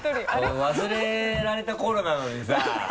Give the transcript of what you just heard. もう忘れられた頃なのにさ。